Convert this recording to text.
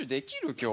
今日。